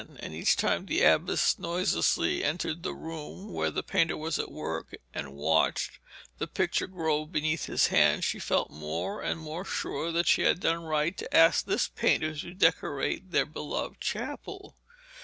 And each time the abbess noiselessly entered the room where the painter was at work and watched the picture grow beneath his hand, she felt more and more sure that she had done right in asking this painter to decorate their beloved chapel.